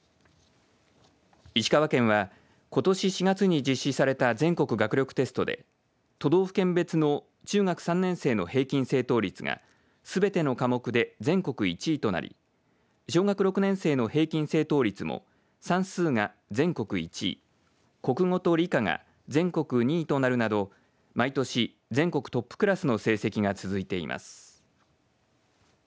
石川県は、ことし４月に実施された全国学力テストで都道府県別の中学３年生の平均正答率がすべての科目で全国１位となり小学６年生の平均正答率も算数が全国１位国語と理科が全国２位となるなど毎年、全国トップクラスの成績が続いています。